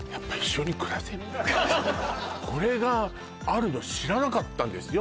これがあるの知らなかったんですよ